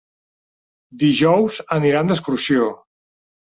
Dijous aniran d'excursió.